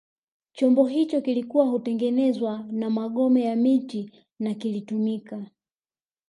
Chombo hicho kilikuwa hutengenezwa na magome ya miti na kilitumika